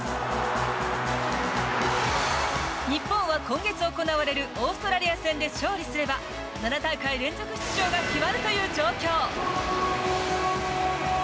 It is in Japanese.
日本は今月行われるオーストラリア戦で勝利すれば７大会連続出場が決まるという状況。